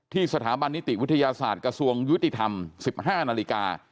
สถาบันนิติวิทยาศาสตร์กระทรวงยุติธรรม๑๕นาฬิกา